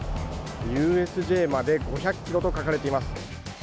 ＵＳＪまで５００ｋｍと書かれています。